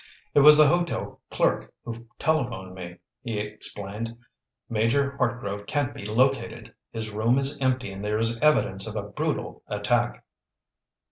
"It was the hotel clerk who telephoned me," he explained. "Major Hartgrove can't be located. His room is empty and there is evidence of a brutal attack!"